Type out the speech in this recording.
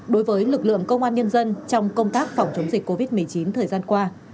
đối với lực lượng công an nhân dân trong công tác phòng chống dịch covid một mươi chín thời gian qua